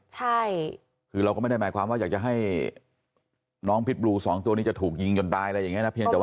ใช่คือเราก็ไม่ได้หมายความว่าอยากจะให้น้องพิษบลูสองตัวนี้จะถูกยิงจนตายอะไรอย่างนี้นะเพียงแต่ว่า